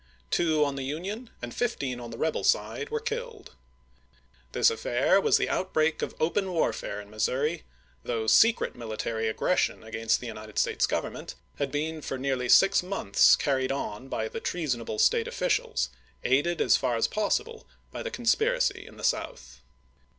Two on the Union and fifteen on the rebel side were killed. This affair was the outbreak of open war fare in Missouri, though secret military aggression against the United States Government had been for nearly six months carried on by the treason able State officials, aided as far as possible by the conspiracy in the South.